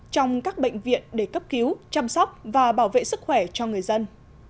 trong các bệnh viện để cấp cứu chăm sóc và bảo vệ sức khỏe cho người dân